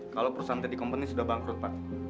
kalau perusahaan teddy company sudah bangkrut pak